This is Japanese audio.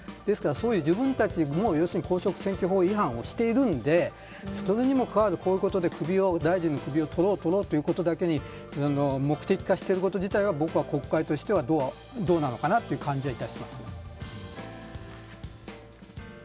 自分たちも公職選挙法違反をしているのでそれにもかかわらず、こういうことで大臣の首を取ろうということだけに目的化していること自体は僕は国会としてどうなのかなという感じはします。